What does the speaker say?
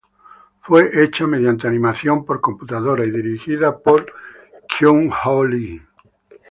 Fue hecha mediante animación por computadora y dirigida por Kyung Ho Lee.